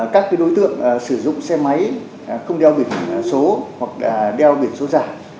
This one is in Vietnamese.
các đối tượng sử dụng xe máy không đeo biển số hoặc đeo biển số giả